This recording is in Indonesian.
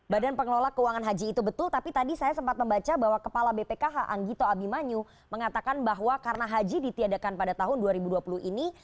badan pengelola keuangan haji itu betul tapi tadi saya sempat membaca bahwa kepala bpkh anggito abimanyu mengatakan bahwa karena haji ditiadakan pada tahun dua ribu dua puluh ini